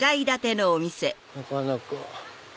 なかなか。